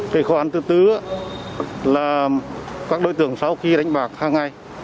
khó khăn thứ tư là các đối tượng sau khi đánh bạc hàng ngày